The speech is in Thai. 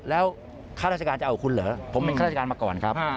แล้วข้าราชการจะเอาคุณเหรอผมเป็นข้าราชการมาก่อนครับ